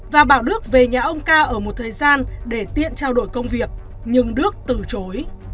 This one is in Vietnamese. và bảo đức về nhà ông ca ở một thời gian để tiện trao đổi công việc nhưng đức từ chối